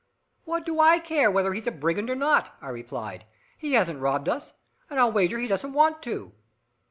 "What do I care whether he's a brigand or not," I replied. "He hasn't robbed us, and I'll wager he doesn't want to."